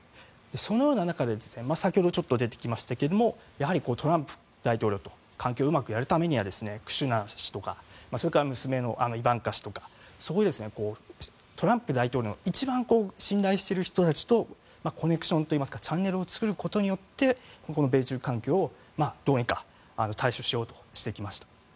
そのような中で先ほどちょっと出てきましたがトランプ大統領との関係をうまくやるためにはクシュナー氏とか娘のイバンカ氏とかトランプ大統領の一番信頼している人たちとコネクションといいますかチャンネルを作ることによって米中関係をどうにか対処しようとしてきました。